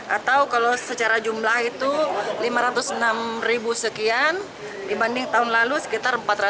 atau kalau secara jumlah itu lima ratus enam ribu sekian dibanding tahun lalu sekitar empat ratus dua puluh dua ribu orang